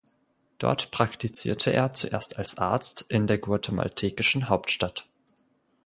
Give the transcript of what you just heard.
Dort praktizierte er zuerst als Arzt in der guatemaltekischen Hauptstadt.